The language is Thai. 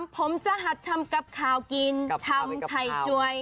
ผมจะหัดทำกับข้าวกินทำไข่จวย